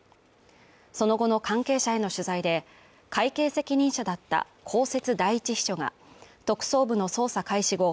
その後の関係者への取材で会計責任者だった公設第一秘書が特捜部の捜査開始後